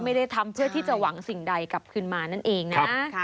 ไม่ได้ทำเพื่อที่จะหวังสิ่งใดกลับขึ้นมานั่นเองนะ